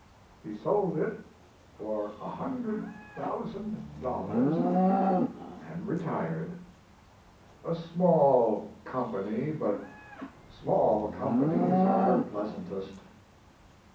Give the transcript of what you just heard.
He 3old it for a hundred thousand dollars and retired." His Life and Work. 2OT "A small company, but small com panies are pleasantest.